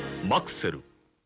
マクセル」。